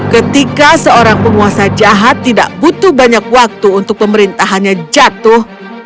ketika seorang penguasa jahat tidak butuh banyak waktu untuk pemerintahannya jatuh